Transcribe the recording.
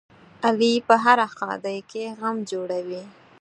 علي په هره ښادۍ کې غم جوړوي.